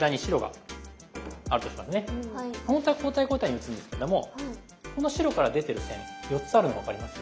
ほんとは交代交代に打つんですけどもこの白から出てる線４つあるの分かります？